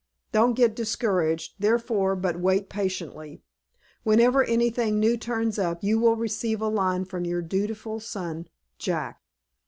Don't get discouraged, therefore, but wait patiently. Whenever anything new turns up you will receive a line from your dutiful son "JACK."